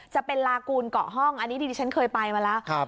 จะเป็นลากูลเกาะห้องอันนี้ดิฉันเคยไปมาแล้ว